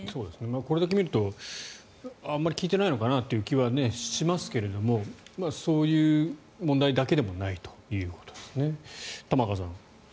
これだけ見るとあまり効いてないのかなという気はしますけどそういう問題だけでもないということですね、玉川さん。